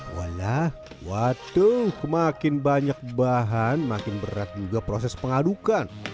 walah waduh makin banyak bahan makin berat juga proses pengadukan